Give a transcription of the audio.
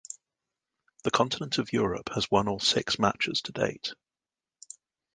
The Continent of Europe has won all six matches to date.